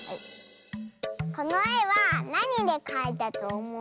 このえはなにでかいたとおもう？